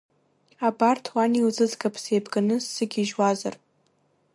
Абарҭ уан илзызгап, сеибганы сзыгьежьуазар.